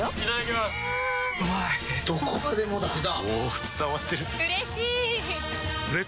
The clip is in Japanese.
どこまでもだあ！